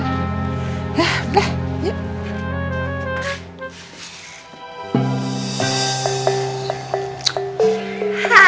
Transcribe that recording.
yah udah yuk